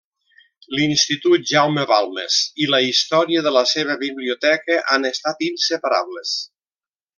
L’Institut Jaume Balmes i la història de la seva biblioteca han estat inseparables.